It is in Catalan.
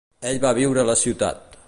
Ell va viure a la ciutat.